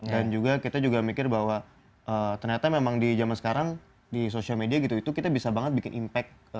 dan juga kita juga mikir bahwa ternyata memang di jaman sekarang di social media gitu itu kita bisa banget bikin impact